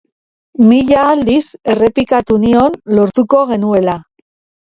Mila aldiz errepikatu nion lortuko genuela.